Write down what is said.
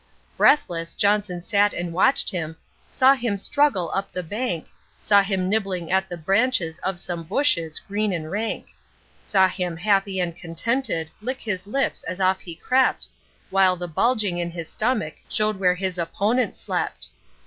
Breathless, Johnson sat and watched him, saw him struggle up the bank, Saw him nibbling at the branches of some bushes, green and rank; Saw him, happy and contented, lick his lips, as off he crept, While the bulging in his stomach showed where his opponent slept.